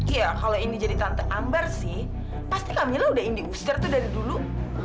iya kalau indi jadi tante ambar sih pasti kamila udah indi ustaz dari dulu